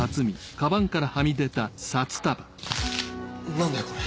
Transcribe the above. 何だよこれ！